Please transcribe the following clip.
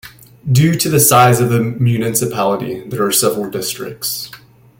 Due to the size of the municipality there are several districts.